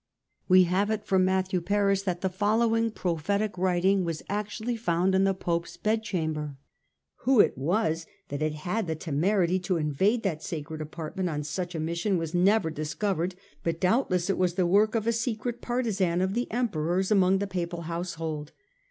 We have it from Matthew Paris that the following prophetic writing was actually found in the Pope's bedchamber. Who it was that had had the temerity to invade that sacred apartment on such a mission was never discovered, but doubtless it was the work of a secret partisan of the Emperor's among the Papal house hold.